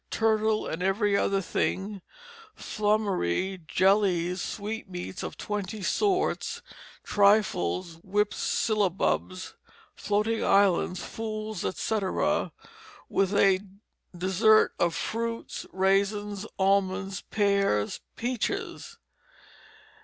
Turtle and every other thing, flummery, jellies, sweetmeats of twenty sorts, trifles, whipped sillabubs, floating islands, fools, etc., with a dessert of fruits, raisins, almonds, pears, peaches."